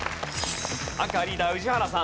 アンカーリーダー宇治原さん。